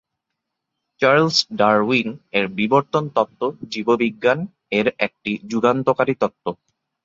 Charles Darwin এর বিবর্তন তত্ত্ব জীববিজ্ঞান এর একটি যুগান্তকারী তত্ত্ব।